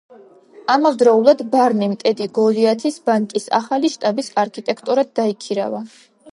ამავდროულად ბარნიმ ტედი გოლიათის ბანკის ახალი შტაბის არქიტექტორად დაიქირავა.